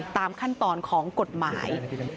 ตามขั้นตอนของกฎหมาย